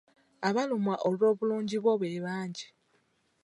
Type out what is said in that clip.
Abalumwa olw’obulungi bwo be bangi.